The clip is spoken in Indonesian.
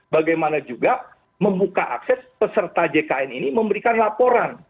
bagaimana juga membuka akses peserta jkn ini memberikan laporan